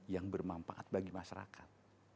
yang bermanfaat bagi masyarakat